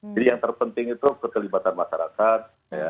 jadi yang terpenting itu kekelibatan masyarakat